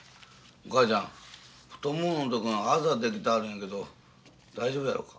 お母ちゃん太もものとこがあざ出来たあるんやけど大丈夫やろか。